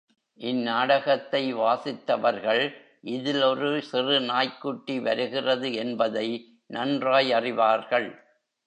இந்நாடகத்தை வாசித்தவர்கள் இதில் ஒரு சிறு நாய்க்குட்டி வருகிறது என்பதை நன்றாய் அறிவார்கள்.